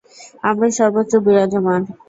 আমরা সর্বত্র বিরাজমান।